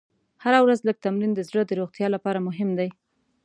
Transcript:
هره ورځ لږ تمرین د زړه د روغتیا لپاره مهم دی.